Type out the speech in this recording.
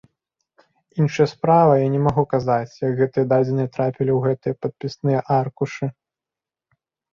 Іншая справа, я не магу казаць, як гэтыя дадзеныя трапілі ў гэтыя падпісныя аркушы.